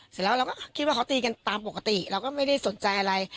เสร็จแล้วเราก็คิดว่าเขาตีกันตามปกติเราก็ไม่ได้สนใจอะไร